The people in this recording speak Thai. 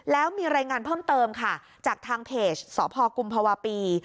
แล้วมีรายงานเพิ่มเติมค่ะจากทางเพจสพกุมภาวะปี